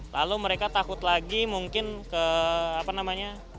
lalu mereka takut lagi mungkin ke apa namanya